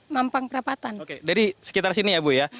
mampang perapatan oke dari sekitar sini ya ibu ya